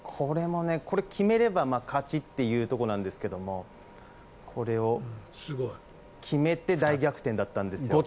これを決めれば勝ちというところなんですけどこれを決めて大逆転だったんです。